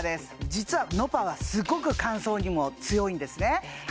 実はｎｏｐａはすごく乾燥にも強いんですね